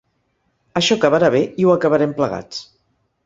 Això acabarà bé i ho acabarem plegats.